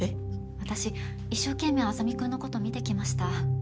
私一生懸命莇君のこと見てきました。